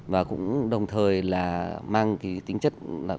và cũng đồng thời mang tính chất quảng bản